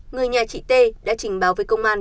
người nhà chị t đã trình báo với công an